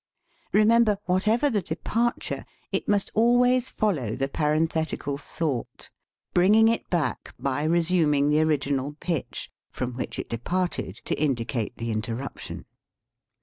Remember, whatever the departure, it must always follow the parenthetical thought, bringing it back by resuming the original pitch, from which it departed to indicate the interruption.